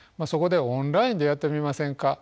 そこでオンラインでやってみませんか？